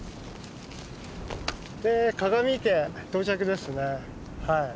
鏡池到着ですね。